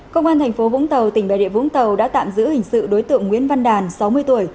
công an thành phố vũng tàu tỉnh bà rịa vũng tàu đã tạm giữ hình sự đối tượng nguyễn văn đàn sáu mươi tuổi